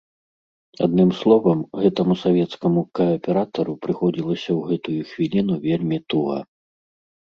Адным словам, гэтаму савецкаму кааператару прыходзілася ў гэтую хвіліну вельмі туга.